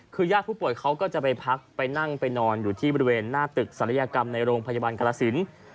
คือญาติผู้ป่วยเขาก็จะไปพักไปนั่งไปนอนอยู่ที่บริเวณหน้าตึกศัลยกรรมในโรงพยาบาลกรสิน